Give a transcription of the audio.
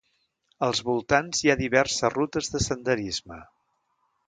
Als voltants hi ha diverses rutes de senderisme.